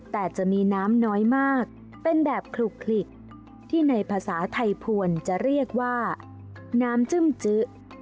แต่จะมีน้ำน้อยมากเป็นแบบคลุกคลิกที่ในภาษาไทยพวนจะเรียกว่าน้ำจึ้มจื้อ